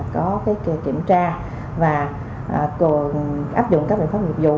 có cái kỳ kiểm tra và cũng áp dụng các biện pháp dịch vụ